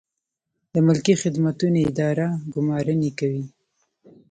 د ملکي خدمتونو اداره ګمارنې کوي